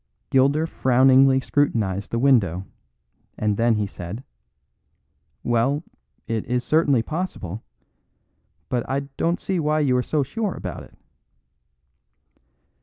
Gilder frowningly scrutinised the window, and then said: "Well, it is certainly possible. But I don't see why you are so sure about it."